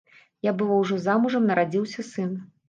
Я была ўжо замужам, нарадзіўся сын.